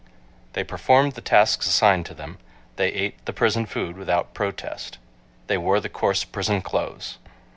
They performed the tasks assigned to them. They ate the prison food without protest. They wore the coarse prison clothes.